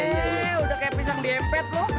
eh udah kaya pisang diepet loh